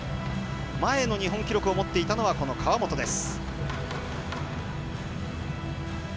前の日本記録を持っていたのは川本です。